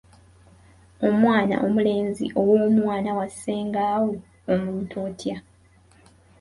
Omwana omulenzi ow’omwana wa ssenga wo omuyita otya?